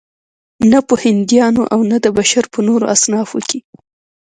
نه په هندیانو او نه د بشر په نورو اصنافو کې.